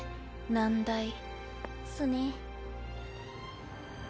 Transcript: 難題。っすね。